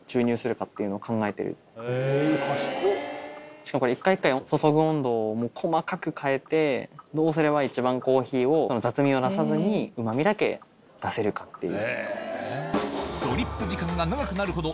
しかもこれ一回一回注ぐ温度も細かく変えてどうすれば一番コーヒーを雑味を出さずにうま味だけ出せるかっていう。